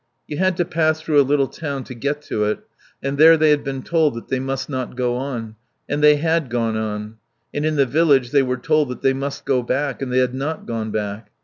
You had to pass through a little town to get to it. And there they had been told that they must not go on. And they had gone on. And in the village they were told that they must go back and they had not gone back.